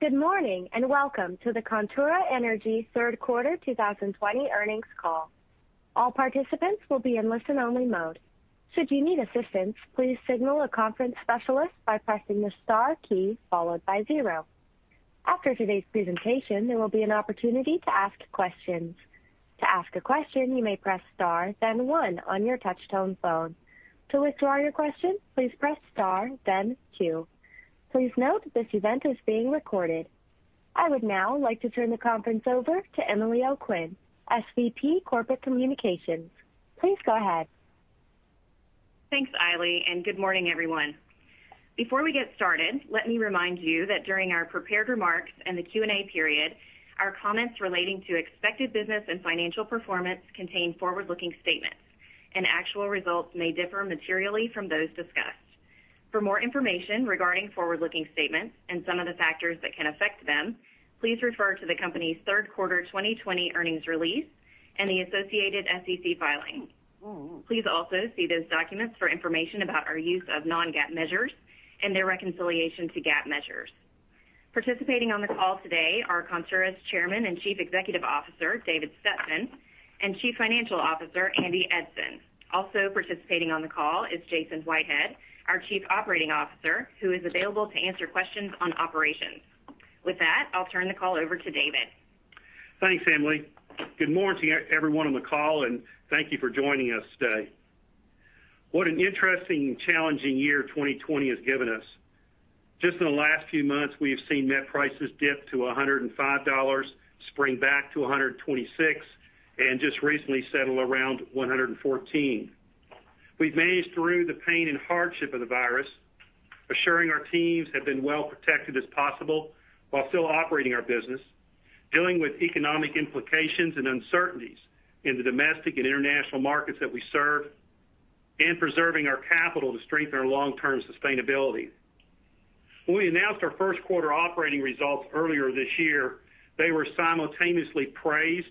Good morning, and welcome to the Contura Energy third quarter 2020 earnings call. All participants will be on listen-only mode. Should you need assistance, please signal the conference specialist by pressing the star key followed by zero. After todays presentation, there will be an opportunity to ask questions. To ask a question, you may press star then one on your touch-tone phone. To withdraw your question, please press star then two. Please note that this event is being recorded. I would now like to turn the conference over to Emily O'Quinn, SVP Corporate Communications. Please go ahead. Thanks, Ailey. Good morning, everyone. Before we get started, let me remind you that during our prepared remarks and the Q&A period, our comments relating to expected business and financial performance contain forward-looking statements, and actual results may differ materially from those discussed. For more information regarding forward-looking statements and some of the factors that can affect them, please refer to the company's third quarter 2020 earnings release and the associated SEC filing. Please also see those documents for information about our use of non-GAAP measures and their reconciliation to GAAP measures. Participating on the call today are Contura's Chairman and Chief Executive Officer, David Stetson, and Chief Financial Officer, Andy Eidson. Also participating on the call is Jason Whitehead, our Chief Operating Officer, who is available to answer questions on operations. With that, I'll turn the call over to David. Thanks, Emily. Good morning everyone on the call, and thank you for joining us today. What an interesting and challenging year 2020 has given us. Just in the last few months, we have seen met prices dip to $105, spring back to $126, and just recently settle around $114. We've managed through the pain and hardship of the virus, assuring our teams have been well-protected as possible while still operating our business, dealing with economic implications and uncertainties in the domestic and international markets that we serve, and preserving our capital to strengthen our long-term sustainability. When we announced our first quarter operating results earlier this year, they were simultaneously praised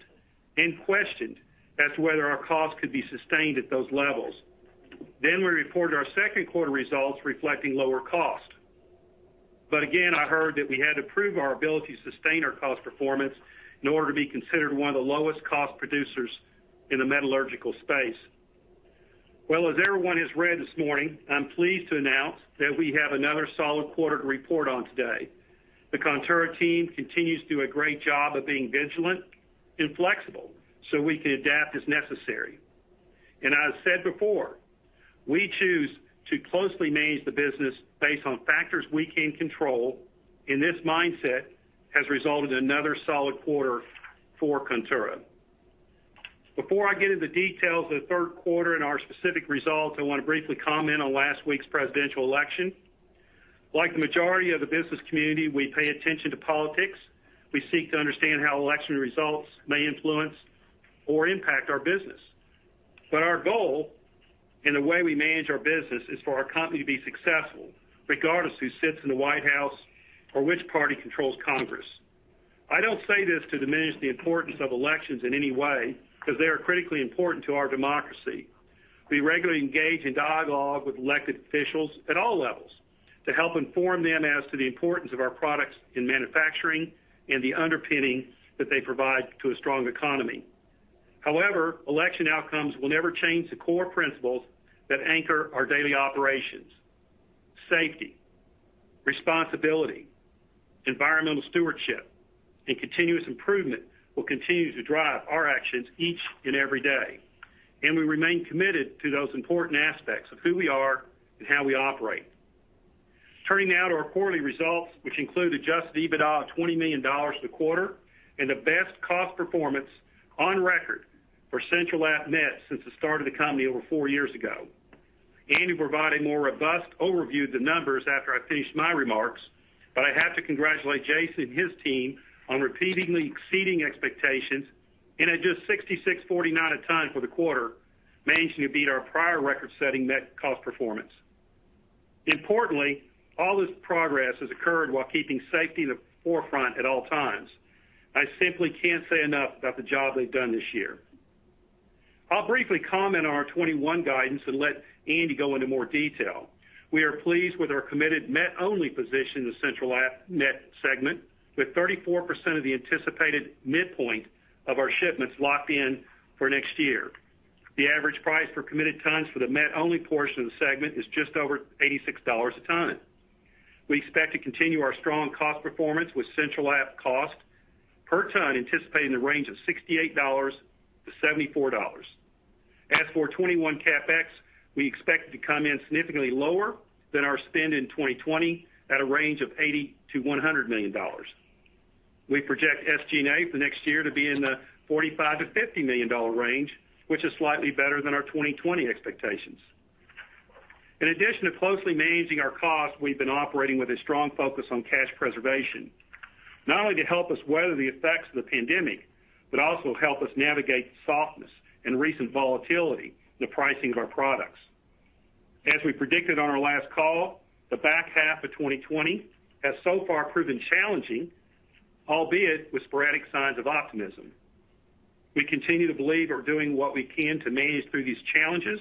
and questioned as to whether our costs could be sustained at those levels. We reported our second quarter results reflecting lower cost. Again, I heard that we had to prove our ability to sustain our cost performance in order to be considered one of the lowest cost producers in the metallurgical space. Well, as everyone has read this morning, I'm pleased to announce that we have another solid quarter to report on today. The Contura team continues to do a great job of being vigilant and flexible so we can adapt as necessary. As I said before, we choose to closely manage the business based on factors we can control, and this mindset has resulted in another solid quarter for Contura. Before I get into the details of the third quarter and our specific results, I want to briefly comment on last week's presidential election. Like the majority of the business community, we pay attention to politics. We seek to understand how election results may influence or impact our business. Our goal in the way we manage our business is for our company to be successful regardless of who sits in the White House or which party controls Congress. I don't say this to diminish the importance of elections in any way because they are critically important to our democracy. We regularly engage in dialogue with elected officials at all levels to help inform them as to the importance of our products in manufacturing and the underpinning that they provide to a strong economy. However, election outcomes will never change the core principles that anchor our daily operations. Safety, responsibility, environmental stewardship, and continuous improvement will continue to drive our actions each and every day. We remain committed to those important aspects of who we are and how we operate. Turning now to our quarterly results, which include adjusted EBITDA of $20 million a quarter, and the best cost performance on record for Central App - Met since the start of the company over four years ago. Andy will provide a more robust overview of the numbers after I finish my remarks. I have to congratulate Jason and his team on repeatedly exceeding expectations and at just $66.49 a ton for the quarter, managing to beat our prior record-setting net cost performance. Importantly, all this progress has occurred while keeping safety in the forefront at all times. I simply can't say enough about the job they've done this year. I'll briefly comment on our 2021 guidance and let Andy go into more detail. We are pleased with our committed low-vol position in the Central App - Met segment, with 34% of the anticipated midpoint of our shipments locked in for next year. The average price per committed tons for the met-only portion of the segment is just over $86 a ton. We expect to continue our strong cost performance with Central App cost per ton anticipating the range of $68-$74. As for 2021 CapEx, we expect it to come in significantly lower than our spend in 2020 at a range of $80 million-$100 million. We project SGA for next year to be in the $45 million-$50 million range, which is slightly better than our 2020 expectations. In addition to closely managing our costs, we've been operating with a strong focus on cash preservation. Not only to help us weather the effects of the pandemic, but also help us navigate the softness and recent volatility in the pricing of our products. As we predicted on our last call, the back half of 2020 has so far proven challenging, albeit with sporadic signs of optimism. We continue to believe we are doing what we can to manage through these challenges,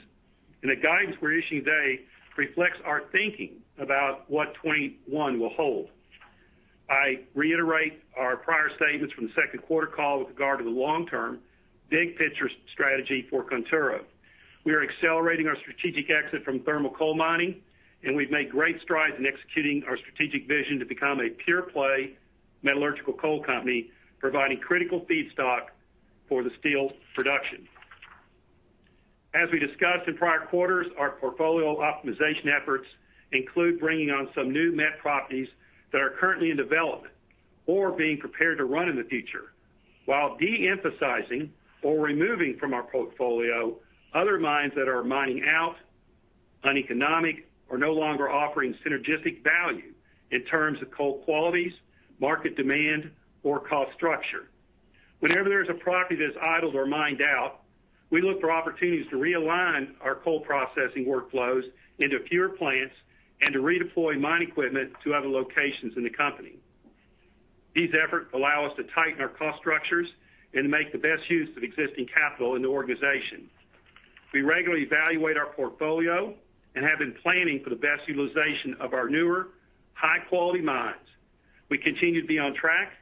and the guidance we are issuing today reflects our thinking about what 2021 will hold. I reiterate our prior statements from the second quarter call with regard to the long-term big picture strategy for Contura. We are accelerating our strategic exit from thermal coal mining, and we have made great strides in executing our strategic vision to become a pure-play metallurgical coal company, providing critical feedstock for the steel production. As we discussed in prior quarters, our portfolio optimization efforts include bringing on some new met properties that are currently in development, or being prepared to run in the future while de-emphasizing or removing from our portfolio other mines that are mining out, uneconomic, or no longer offering synergistic value in terms of coal qualities, market demand or cost structure. Whenever there is a property that is idled or mined out, we look for opportunities to realign our coal processing workflows into fewer plants and to redeploy mine equipment to other locations in the company. These efforts allow us to tighten our cost structures and make the best use of existing capital in the organization. We regularly evaluate our portfolio and have been planning for the best utilization of our newer high-quality mines. We continue to be on track,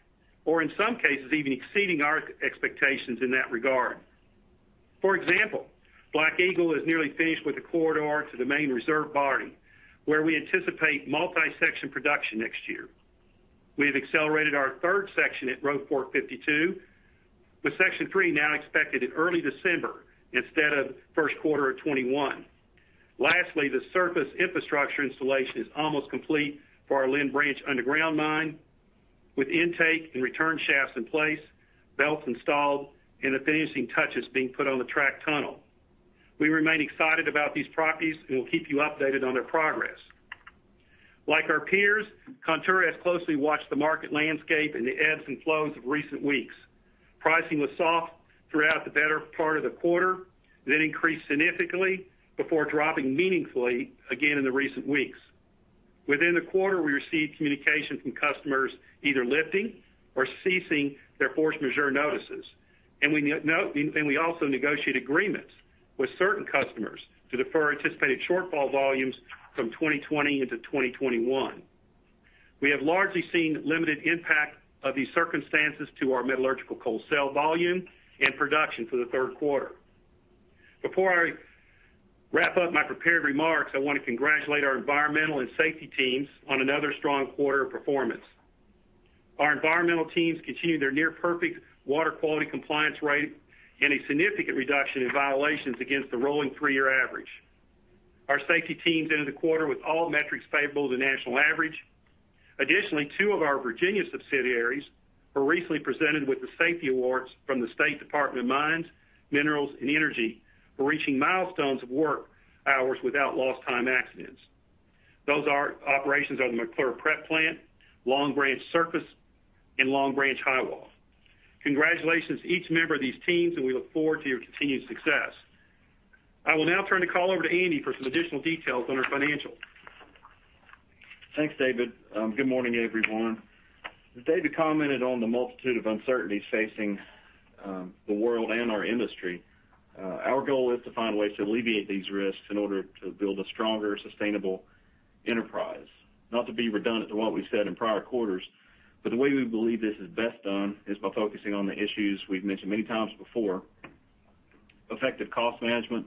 or in some cases, even exceeding our expectations in that regard. For example, Black Eagle is nearly finished with the corridor to the main reserve body, where we anticipate multi-section production next year. We have accelerated our 3rd section at Road Fork 52, with section three now expected in early December instead of first quarter of 2021. The surface infrastructure installation is almost complete for our Lynn Branch underground mine with intake and return shafts in place, belts installed, and the finishing touches being put on the track tunnel. We remain excited about these properties and we will keep you updated on their progress. Like our peers, Contura has closely watched the market landscape and the ebbs and flows of recent weeks. Pricing was soft throughout the better part of the quarter, then increased significantly before dropping meaningfully again in the recent weeks. Within the quarter, we received communication from customers either lifting or ceasing their force majeure notices. We also negotiated agreements with certain customers to defer anticipated shortfall volumes from 2020 into 2021. We have largely seen limited impact of these circumstances to our metallurgical coal sale volume and production for the third quarter. Before I wrap up my prepared remarks, I want to congratulate our environmental and safety teams on another strong quarter of performance. Our environmental teams continued their near perfect water quality compliance rate and a significant reduction in violations against the rolling three-year average. Our safety teams ended the quarter with all metrics favorable to national average. Additionally, two of our Virginia subsidiaries were recently presented with the safety awards from the State Department of Mines, Minerals and Energy for reaching milestones of work hours without lost time accidents. Those are operations out of McClure Prep Plant, Long Branch Surface, and Long Branch Highwall. Congratulations to each member of these teams, and we look forward to your continued success. I will now turn the call over to Andy for some additional details on our financials. Thanks, David. Good morning, everyone. As David commented on the multitude of uncertainties facing the world and our industry, our goal is to find ways to alleviate these risks in order to build a stronger, sustainable enterprise. Not to be redundant to what we've said in prior quarters, the way we believe this is best done is by focusing on the issues we've mentioned many times before. Effective cost management,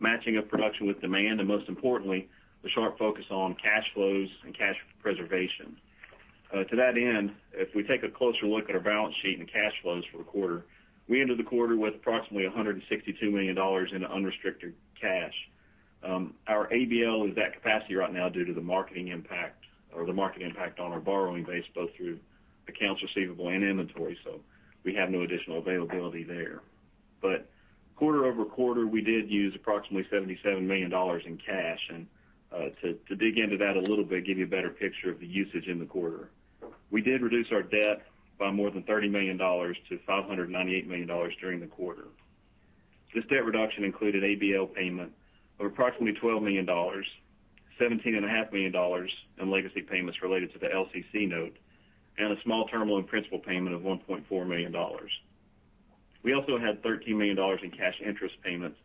matching of production with demand, and most importantly, the sharp focus on cash flows and cash preservation. To that end, if we take a closer look at our balance sheet and cash flows for the quarter, we ended the quarter with approximately $162 million in unrestricted cash. Our ABL is at capacity right now due to the market impact on our borrowing base, both through accounts receivable and inventory. We have no additional availability there. Quarter-over-quarter, we did use approximately $77 million in cash. To dig into that a little bit, give you a better picture of the usage in the quarter. We did reduce our debt by more than $30 million to $598 million during the quarter. This debt reduction included ABL payment of approximately $12 million, $17.5 million in legacy payments related to the LCC Note, and a small term loan principal payment of $1.4 million. We also had $13 million in cash interest payments,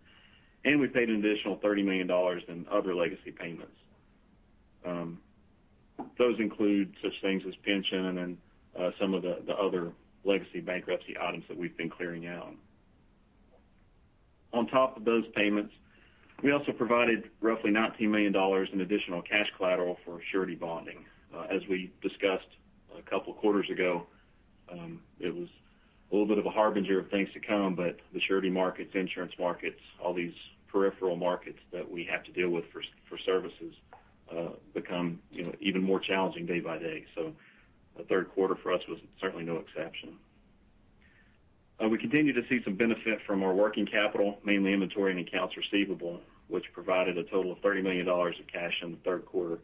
and we paid an additional $30 million in other legacy payments. Those include such things as pension and some of the other legacy bankruptcy items that we've been clearing out. On top of those payments, we also provided roughly $19 million in additional cash collateral for surety bonding. As we discussed a couple of quarters ago, it was a little bit of a harbinger of things to come, but the surety markets, insurance markets, all these peripheral markets that we have to deal with for services become even more challenging day by day. The third quarter for us was certainly no exception. We continue to see some benefit from our working capital, mainly inventory and accounts receivable, which provided a total of $30 million of cash in the third quarter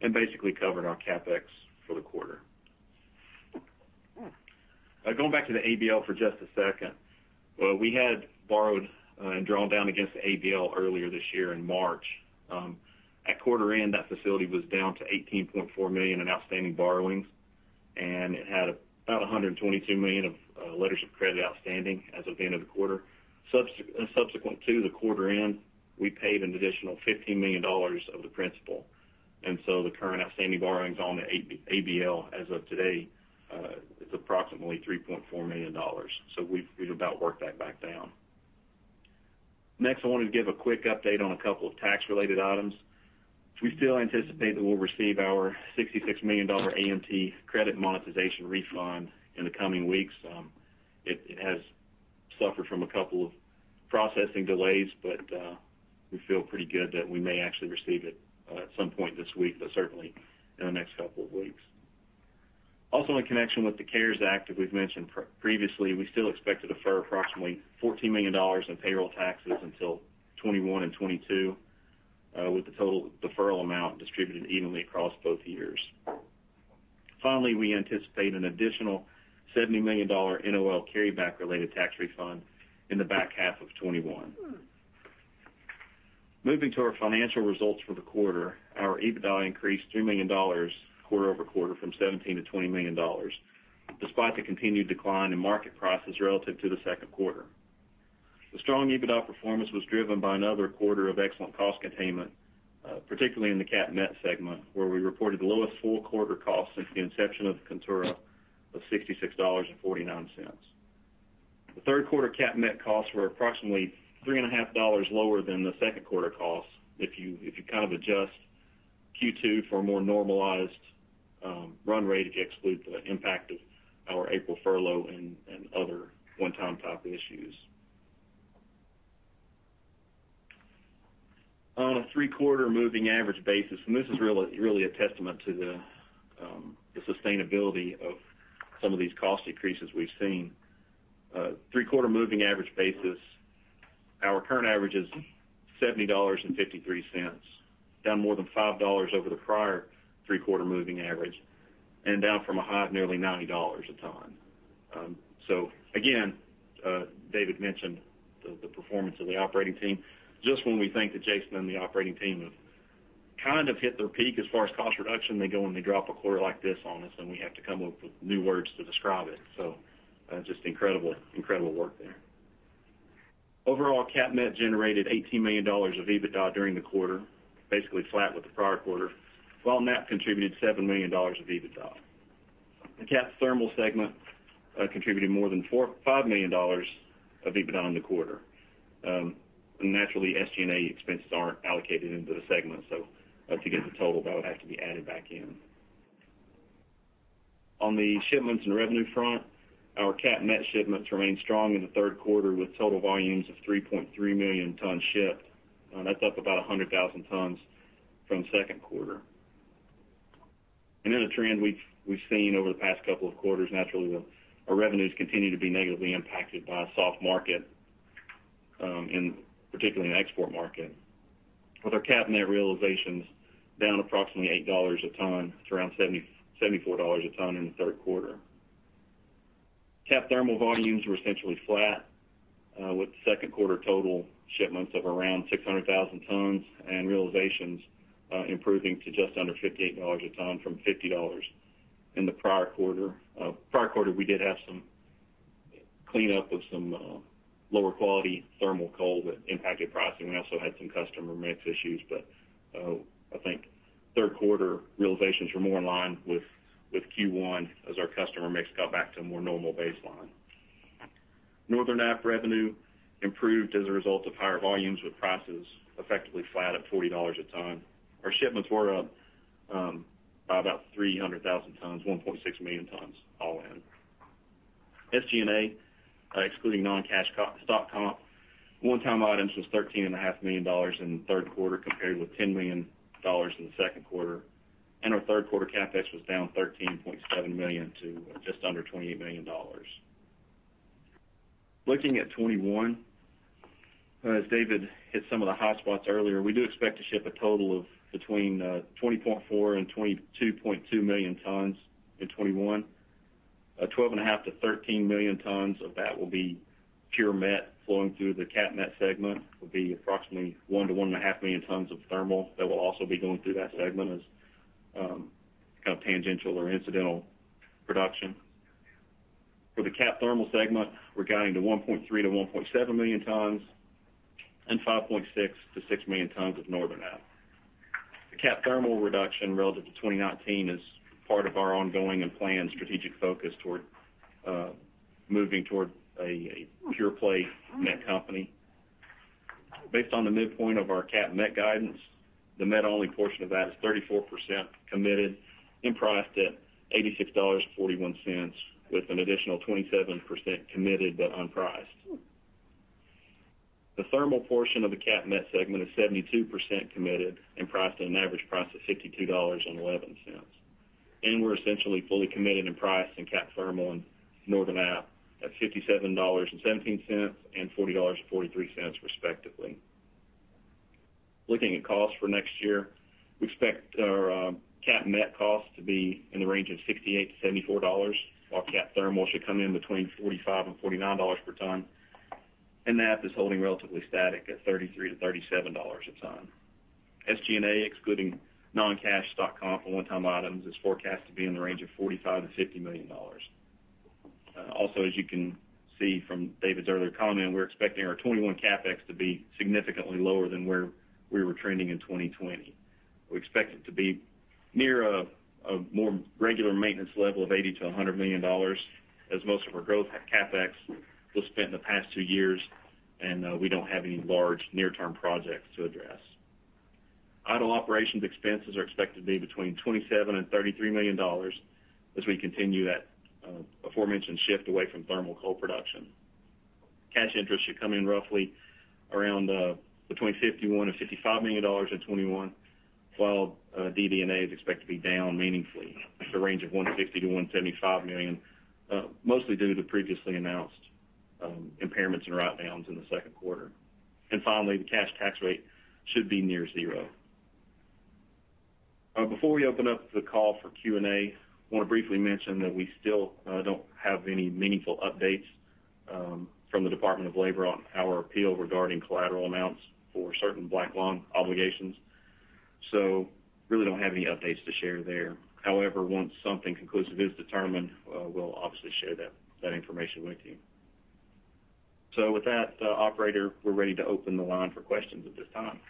and basically covering our CapEx for the quarter. Going back to the ABL for just a second. We had borrowed and drawn down against the ABL earlier this year in March. At quarter end, that facility was down to $18.4 million in outstanding borrowings. It had about $122 million of letters of credit outstanding as of the end of the quarter. Subsequent to the quarter end, we paid an additional $15 million of the principal. The current outstanding borrowings on the ABL as of today is approximately $3.4 million. We've about worked that back down. Next, I wanted to give a quick update on a couple of tax-related items. We still anticipate that we'll receive our $66 million AMT credit monetization refund in the coming weeks. It has suffered from a couple of processing delays, but we feel pretty good that we may actually receive it at some point this week, but certainly in the next couple of weeks. Also in connection with the CARES Act, as we've mentioned previously, we still expect to defer approximately $14 million in payroll taxes until 2021 and 2022, with the total deferral amount distributed evenly across both years. We anticipate an additional $70 million NOL carryback related tax refund in the back half of 2021. Moving to our financial results for the quarter. Our EBITDA increased $3 million quarter-over-quarter from $17 million to $20 million, despite the continued decline in market prices relative to the second quarter. The strong EBITDA performance was driven by another quarter of excellent cost containment, particularly in the CAPP - Met segment, where we reported the lowest full quarter cost since the inception of Contura of $66.49. The third quarter CAPP - Met costs were approximately $3.5 lower than the second quarter costs. If you kind of adjust Q2 for a more normalized run rate if you exclude the impact of our April furlough and other one-time type issues. On a three-quarter moving average basis, this is really a testament to the sustainability of some of these cost decreases we've seen. Three-quarter moving average basis, our current average is $70.53, down more than $5 over the prior three-quarter moving average and down from a high of nearly $90 a ton. Again, David mentioned the performance of the operating team. Just when we think that Jason and the operating team have kind of hit their peak as far as cost reduction, they go and they drop a quarter like this on us and we have to come up with new words to describe it. That's just incredible work there. Overall, CAPP - Met generated $18 million of EBITDA during the quarter, basically flat with the prior quarter, while NAPP contributed $7 million of EBITDA. The CAPP - Thermal segment contributed more than $5 million of EBITDA in the quarter. Naturally, SGA expenses aren't allocated into the segment, to get the total, that would have to be added back in. On the shipments and revenue front, our CAPP - Met shipments remained strong in the third quarter with total volumes of 3.3 million tons shipped. That's up about 100,000 tons from second quarter. A trend we've seen over the past couple of quarters, naturally, our revenues continue to be negatively impacted by a soft market, particularly in the export market, with our CAPP - Met realizations down approximately $8 a ton to around $74 a ton in the third quarter. CAPP - Thermal volumes were essentially flat with second quarter total shipments of around 600,000 tons and realizations improving to just under $58 a ton from $50 in the prior quarter. Prior quarter, we did have some cleanup of some lower quality thermal coal that impacted pricing. We also had some customer mix issues, but I think third quarter realizations were more in line with Q1 as our customer mix got back to a more normal baseline. Northern App revenue improved as a result of higher volumes with prices effectively flat at $40 a ton. Our shipments were up by about 300,000 tons, 1.6 million tons all in. SG&A, excluding non-cash stock comp, one-time items was $13.5 million in the third quarter compared with $10 million in the second quarter. Our third quarter CapEx was down $13.7 million to just under $28 million. Looking at 2021, as David hit some of the high spots earlier, we do expect to ship a total of between 20.4 million and 22.2 million tons in 2021. 12.5 million tons to 13 million tons of that will be pure met flowing through the CAPP - Met segment, will be approximately 1 million tons to 1.5 million tons of thermal that will also be going through that segment as kind of tangential or incidental production. For the CAPP - Thermal segment, we're guiding to 1.3 million tons to 1.7 million tons and 5.6 million tons to 6 million tons of Northern App. The CAPP - Thermal reduction relative to 2019 is part of our ongoing and planned strategic focus toward moving toward a pure play met company. Based on the midpoint of our CAPP - Met guidance, the met-only portion of that is 34% committed and priced at $86.41, with an additional 27% committed but unpriced. The thermal portion of the CAPP - Met segment is 72% committed and priced at an average price of $62.11. We're essentially fully committed and priced in CAPP - Thermal and Northern App at $57.17 and $40.43 respectively. Looking at cost for next year, we expect our CAPP - Met cost to be in the range of $68-$74 while CAPP - Thermal should come in between $45 and $49 per ton. NAPP is holding relatively static at $33-$37 a ton. SGA, excluding non-cash stock comp and one-time items, is forecast to be in the range of $45 million-$50 million. As you can see from David's earlier comment, we're expecting our 2021 CapEx to be significantly lower than where we were trending in 2020. We expect it to be near a more regular maintenance level of $80 million-$100 million as most of our growth at CapEx was spent in the past two years, and we don't have any large near-term projects to address. Idle operations expenses are expected to be between $27 million and $33 million as we continue that aforementioned shift away from thermal coal production. Cash interest should come in roughly around between $51 million and $55 million in 2021, while DD&A is expected to be down meaningfully, in the range of $150 million to $175 million, mostly due to the previously announced impairments and write-downs in the second quarter. Finally, the cash tax rate should be near zero. Before we open up the call for Q&A, I want to briefly mention that we still don't have any meaningful updates from the Department of Labor on our appeal regarding collateral amounts for certain black lung obligations. Really don't have any updates to share there. However, once something conclusive is determined, we'll obviously share that information with you. With that, operator, we're ready to open the line for questions at this time.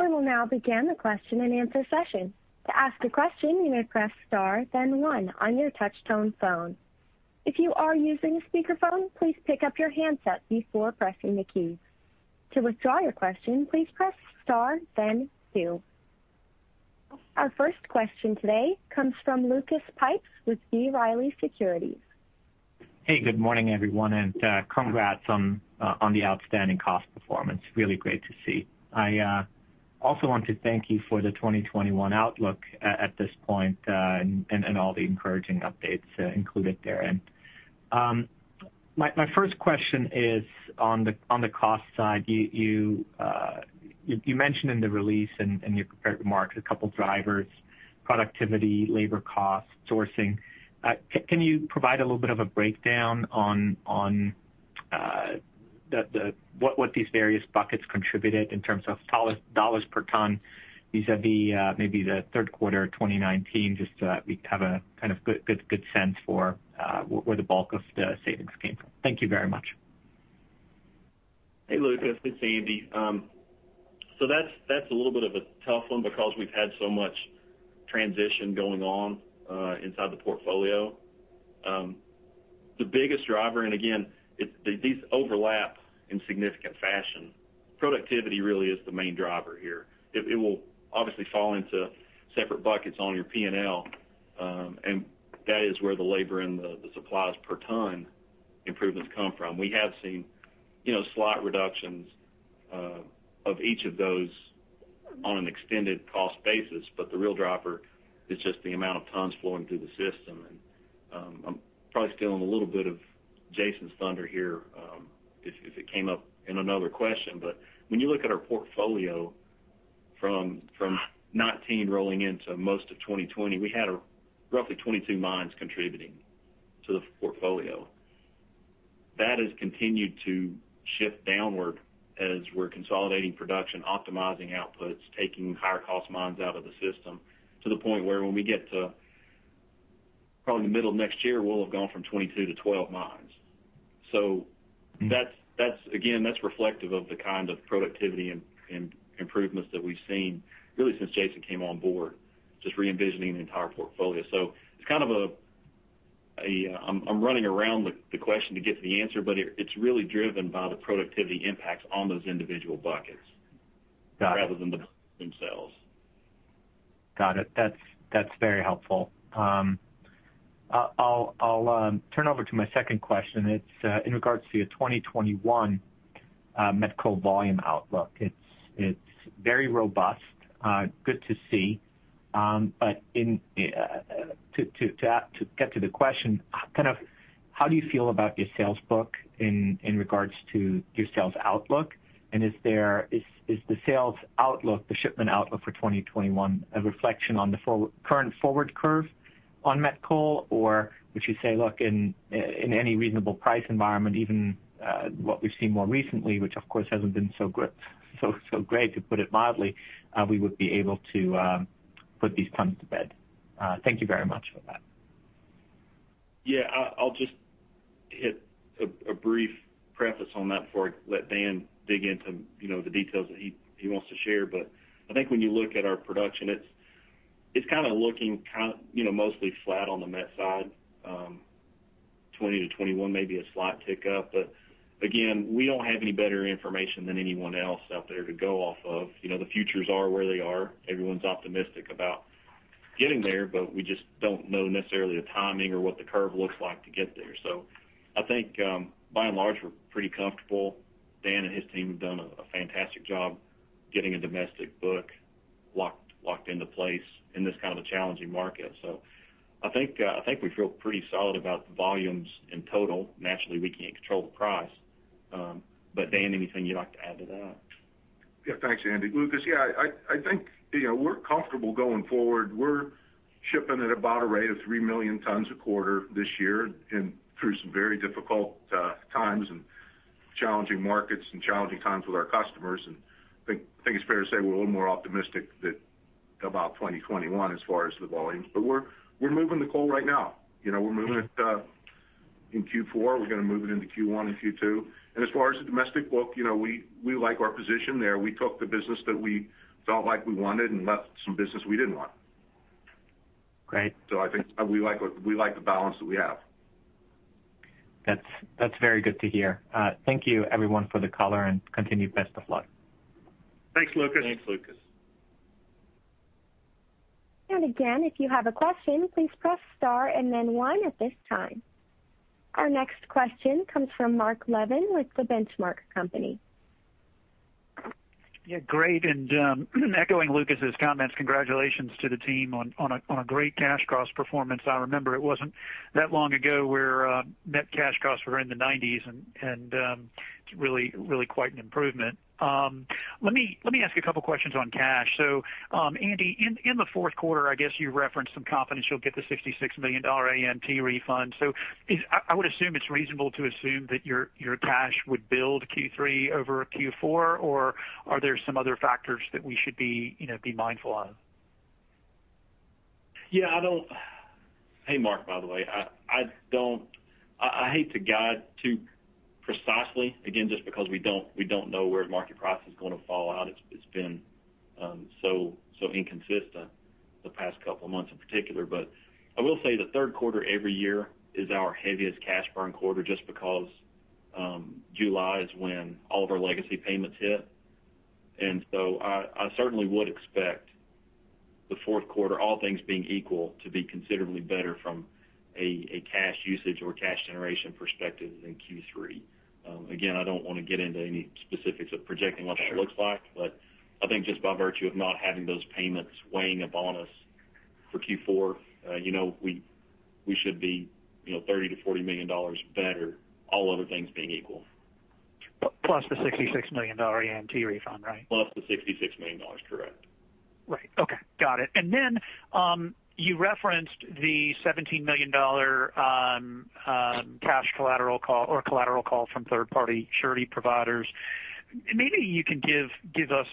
I will now begin the Q&A session. To ask a question you may press star then one on your touch-tone phone. If you are using speakerphone, please pick up your handset before pressing the keys. To withdraw your question, please press star then two. Our first question today comes from Lucas Pipes with B. Riley Securities. Good morning, everyone, congrats on the outstanding cost performance. Really great to see. I also want to thank you for the 2021 outlook at this point and all the encouraging updates included therein. My first question is on the cost side. You mentioned in the release and your prepared remarks a couple of drivers, productivity, labor cost, sourcing. Can you provide a little bit of a breakdown on what these various buckets contributed in terms of dollars per ton? These are maybe the third quarter of 2019, just so that we have a good sense for where the bulk of the savings came from. Thank you very much. Hey, Lucas. It's Andy. That's a little bit of a tough one because we've had so much transition going on inside the portfolio. The biggest driver, and again, these overlap in significant fashion. Productivity really is the main driver here. It will obviously fall into separate buckets on your P&L, and that is where the labor and the supplies per ton improvements come from. We have seen slight reductions of each of those on an extended cost basis, but the real driver is just the amount of tons flowing through the system. I'm probably stealing a little bit of Jason's thunder here if it came up in another question. When you look at our portfolio from 2019 rolling into most of 2020, we had roughly 22 mines contributing to the portfolio. That has continued to shift downward as we're consolidating production, optimizing outputs, taking higher cost mines out of the system to the point where when we get to probably the middle of next year, we'll have gone from 22 to 12 mines. Again, that's reflective of the kind of productivity improvements that we've seen really since Jason came on board, just re-envisioning the entire portfolio. I'm running around with the question to get to the answer, but it's really driven by the productivity impacts on those individual buckets. Got it. Rather than themselves. Got it. That's very helpful. I'll turn over to my second question. It's in regards to your 2021 met coal volume outlook. It's very robust. Good to see. To get to the question, how do you feel about your sales book in regards to your sales outlook? Is the sales outlook, the shipment outlook for 2021 a reflection on the current forward curve on met coal? Would you say, look, in any reasonable price environment, even what we've seen more recently, which of course hasn't been so great, to put it mildly, we would be able to put these tons to bed? Thank you very much for that. Yeah, I'll just hit a brief preface on that before I let Dan dig into the details that he wants to share. I think when you look at our production, it's looking mostly flat on the met side. 2020 to 2021, maybe a slight tick up. Again, we don't have any better information than anyone else out there to go off of. The futures are where they are. Everyone's optimistic about getting there, but we just don't know necessarily the timing or what the curve looks like to get there. I think by and large, we're pretty comfortable. Dan and his team have done a fantastic job getting a domestic book locked into place in this kind of a challenging market. I think we feel pretty solid about the volumes in total. Naturally, we can't control the price. Dan, anything you'd like to add to that? Yeah. Thanks, Andy. Lucas, yeah, I think we're comfortable going forward. We're shipping at about a rate of 3 million tons a quarter this year, and through some very difficult times and challenging markets and challenging times with our customers. I think it's fair to say we're a little more optimistic about 2021 as far as the volumes. We're moving the coal right now. We're moving it in Q4. We're going to move it into Q1 and Q2. As far as the domestic book, we like our position there. We took the business that we felt like we wanted and left some business we didn't want. Great. I think we like the balance that we have. That's very good to hear. Thank you everyone for the call and continued best of luck. Thanks, Lucas. Again, if you have a question, please press star and then one at this time. Our next question comes from Mark Levin with The Benchmark Company. Yeah, great. Echoing Lucas's comments, congratulations to the team on a great cash cost performance. I remember it wasn't that long ago where net cash costs were in the 90s, and it's really quite an improvement. Let me ask a couple questions on cash. Andy, in the fourth quarter, I guess you referenced some confidence you'll get the $66 million AMT refund. I would assume it's reasonable to assume that your cash would build Q3 over Q4, or are there some other factors that we should be mindful of? Hey, Mark, by the way. I hate to guide too precisely, again, just because we don't know where the market price is going to fall out. It's been so inconsistent the past couple of months in particular. I will say the third quarter every year is our heaviest cash burn quarter just because July is when all of our legacy payments hit. I certainly would expect the fourth quarter, all things being equal, to be considerably better from a cash usage or cash generation perspective than Q3. Again, I don't want to get into any specifics of projecting what that looks like. Sure. I think just by virtue of not having those payments weighing upon us for Q4, we should be $30 million-$40 million better, all other things being equal. Plus the $66 million AMT refund, right? The $66 million. Correct. Right. Okay. Got it. You referenced the $17 million cash collateral call or collateral call from third-party surety providers. Maybe you can give us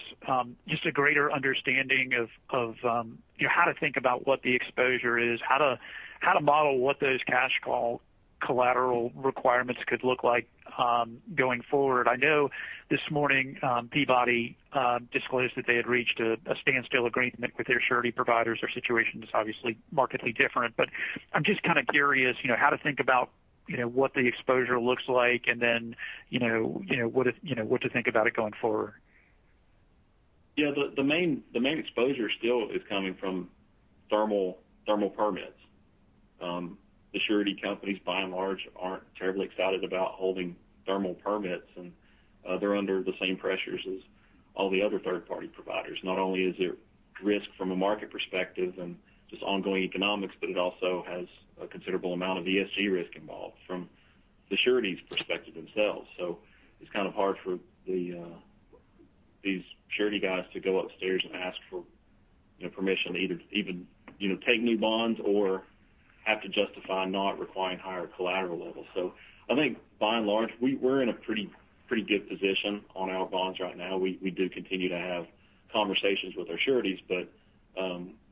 just a greater understanding of how to think about what the exposure is, how to model what those cash call collateral requirements could look like going forward. I know this morning, Peabody disclosed that they had reached a standstill agreement with their surety providers. Their situation is obviously markedly different. I'm just kind of curious how to think about what the exposure looks like, and then what to think about it going forward. Yeah. The main exposure still is coming from thermal permits. The surety companies, by and large, aren't terribly excited about holding thermal permits, and they're under the same pressures as all the other third-party providers. Not only is there risk from a market perspective and just ongoing economics, but it also has a considerable amount of ESG risk involved from the surety's perspective themselves. It's kind of hard for these surety guys to go upstairs and ask for permission to even take new bonds or have to justify not requiring higher collateral levels. I think by and large, we're in a pretty good position on our bonds right now. We do continue to have conversations with our sureties.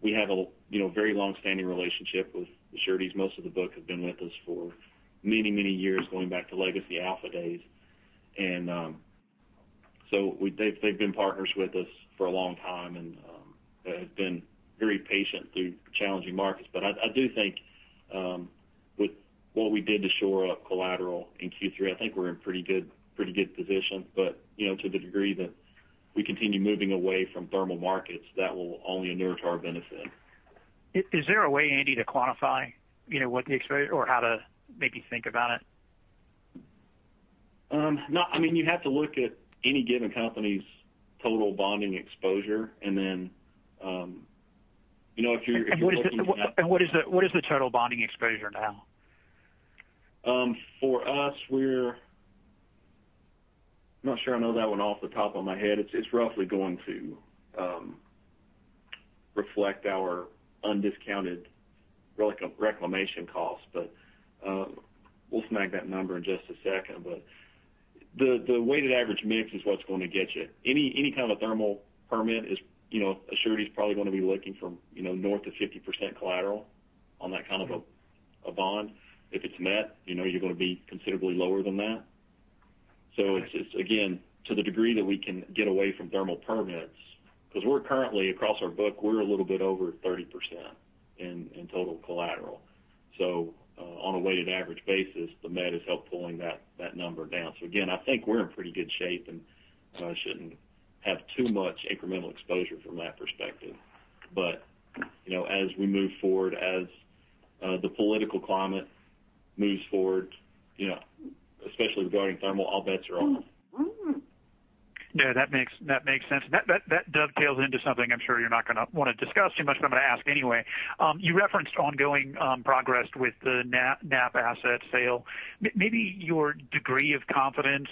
We have a very long-standing relationship with the sureties. Most of the book have been with us for many, many years, going back to legacy Alpha days. They've been partners with us for a long time and have been very patient through challenging markets. I do think with what we did to shore up collateral in Q3, I think we're in pretty good position. To the degree that we continue moving away from thermal markets, that will only inure to our benefit. Is there a way, Andy, to quantify what the exposure or how to maybe think about it? No. You have to look at any given company's total bonding exposure. What is the total bonding exposure now? For us, I'm not sure I know that one off the top of my head. It's roughly going to reflect our undiscounted reclamation cost. We'll snag that number in just a second. The weighted average mix is what's going to get you. Any kind of a thermal permit is a surety is probably going to be looking from north of 50% collateral on that kind of a bond. If it's met, you know you're going to be considerably lower than that. It's just, again, to the degree that we can get away from thermal permits, because we're currently across our book, we're a little bit over 30% in total collateral. On a weighted average basis, the met has helped pulling that number down. Again, I think we're in pretty good shape, and I shouldn't have too much incremental exposure from that perspective. As we move forward, as the political climate moves forward, especially regarding thermal, all bets are off. Yeah, that makes sense. That dovetails into something I'm sure you're not going to want to discuss too much, but I'm going to ask anyway. You referenced ongoing progress with the NAPP asset sale. Maybe your degree of confidence,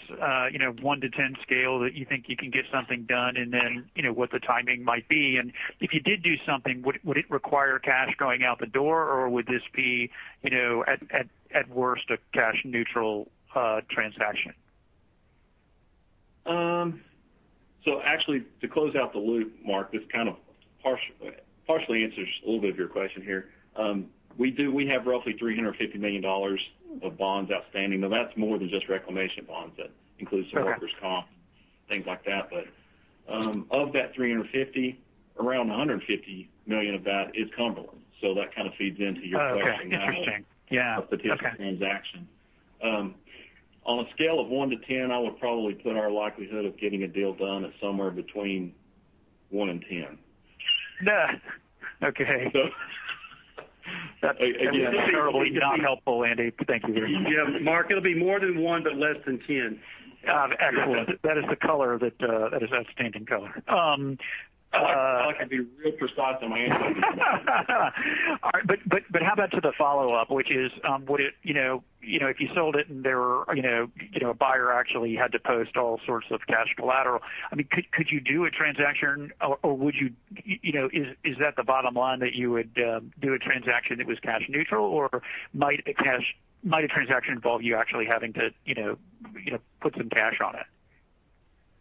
one to 10 scale that you think you can get something done, and then what the timing might be. If you did do something, would it require cash going out the door or would this be at worst a cash neutral transaction? Actually to close out the loop, Mark, this kind of partially answers a little bit of your question here. We have roughly $350 million of bonds outstanding. Now that's more than just reclamation bonds. That includes some workers' comp, things like that. Of that 350, around $150 million of that is Cumberland. That kind of feeds into your question. Oh, okay. Interesting. Yeah. Okay. Of a potential transaction. On a scale of one to 10, I would probably put our likelihood of getting a deal done at somewhere between one and 10. Okay. So again- That's terribly not helpful, Andy. Thank you very much. Yeah. Mark, it'll be more than one, but less than 10. Excellent. That is the color. That is outstanding color. I like to be real precise in my answers. All right. How about to the follow-up, which is if you sold it and a buyer actually had to post all sorts of cash collateral, could you do a transaction or is that the bottom line that you would do a transaction that was cash neutral? Or might a transaction involve you actually having to put some cash on it?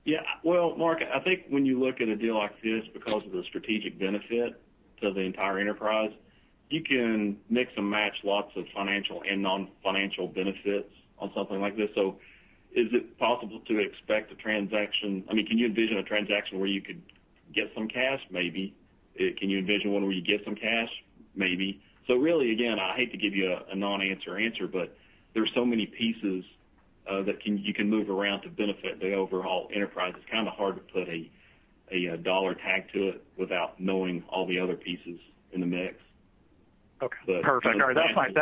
Yeah. Well, Mark, I think when you look at a deal like this, because of the strategic benefit to the entire enterprise, you can mix and match lots of financial and non-financial benefits on something like this. Is it possible to expect a transaction? Can you envision a transaction where you could get some cash? Maybe. Can you envision one where you give some cash? Maybe. Really, again, I hate to give you a non-answer answer, but there are so many pieces that you can move around to benefit the overall enterprise. It's kind of hard to put a dollar tag to it without knowing all the other pieces in the mix. Okay. Perfect. All right. That's fine.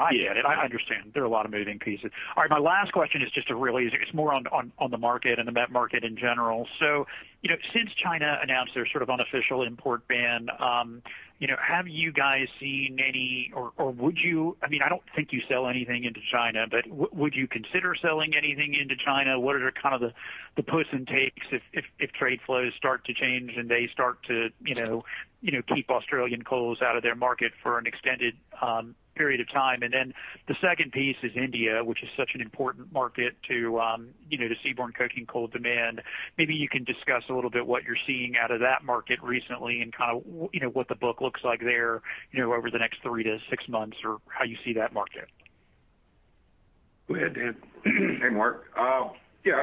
I get it. I understand there are a lot of moving pieces. All right. My last question is just a really, it's more on the market and the met market in general. Since China announced their sort of unofficial import ban, have you guys seen any or would you I don't think you sell anything into China, but would you consider selling anything into China? What are kind of the puts and takes if trade flows start to change and they start to keep Australian coals out of their market for an extended period of time? The second piece is India, which is such an important market to the seaborne coking coal demand. Maybe you can discuss a little bit what you're seeing out of that market recently and kind of what the book looks like there over the next three to six months or how you see that market. Go ahead, Dan. Hey, Mark. Yeah.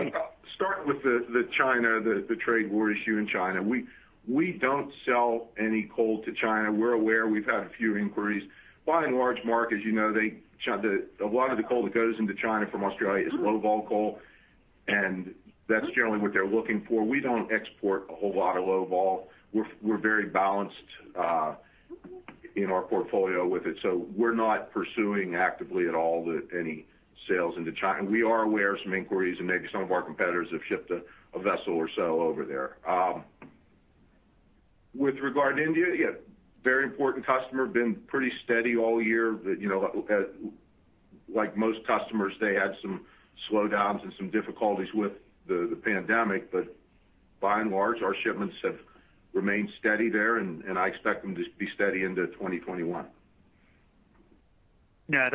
Start with the China, the trade war issue in China. We don't sell any coal to China. We're aware. We've had a few inquiries. By and large, Mark, as you know, a lot of the coal that goes into China from Australia is low-vol coal, and that's generally what they're looking for. We don't export a whole lot of low-vol. We're very balanced in our portfolio with it. We're not pursuing actively at all any sales into China. We are aware of some inquiries and maybe some of our competitors have shipped a vessel or so over there. With regard to India, yeah, very important customer. Been pretty steady all year. Like most customers, they had some slowdowns and some difficulties with the pandemic. By and large, our shipments have remained steady there, and I expect them to be steady into 2021. Yeah.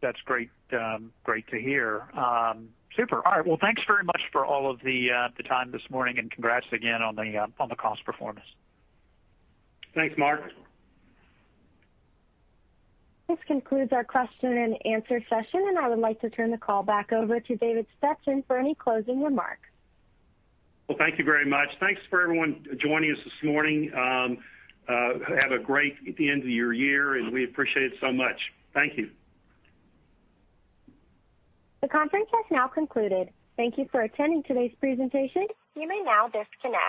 That's great to hear. Super. All right. Well, thanks very much for all of the time this morning and congrats again on the cost performance. Thanks, Mark. This concludes our Q&A session. I would like to turn the call back over to David Stetson for any closing remarks. Thank you very much. Thanks for everyone joining us this morning. Have a great end of your year and we appreciate it so much. Thank you. The conference has now concluded. Thank you for attending today's presentation. You may now disconnect.